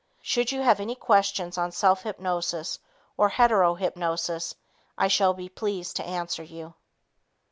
Should you have any questions on self hypnosis or hetero hypnosis, I shall be pleased to answer you.